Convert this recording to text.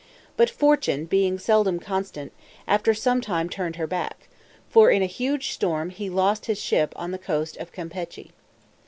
But Fortune, being seldom constant, after some time turned her back; for in a huge storm he lost his ship on the coast of Campechy.